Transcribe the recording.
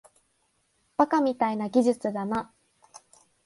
バカみたいな技術だな